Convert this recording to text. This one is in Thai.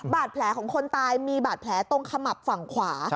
บาดแผลของคนตายมีบาดแผลตรงขมับฝั่งขวา